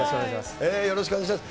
よろしくお願いします。